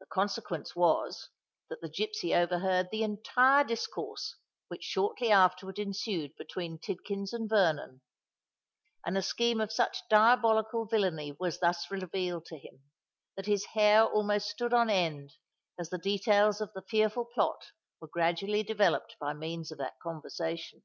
The consequence was, that the gipsy overheard the entire discourse which shortly afterwards ensued between Tidkins and Vernon; and a scheme of such diabolical villany was thus revealed to him, that his hair almost stood on end as the details of the fearful plot were gradually developed by means of that conversation.